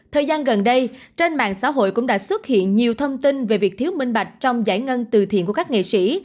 thời gian gần đây trên mạng xã hội cũng đã xuất hiện nhiều thông tin về việc thiếu minh bạch trong giải ngân từ thiện của các nghệ sĩ